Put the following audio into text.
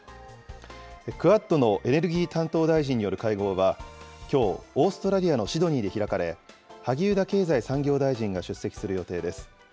クアッドのエネルギー担当大臣による会合は、きょう、オーストラリアのシドニーで開かれ、萩生田経済産業大臣が出席する予定です。